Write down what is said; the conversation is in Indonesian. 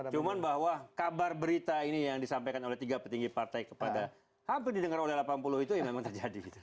cuman bahwa kabar berita ini yang disampaikan oleh tiga petinggi partai kepada hampir didengar oleh delapan puluh itu ya memang terjadi gitu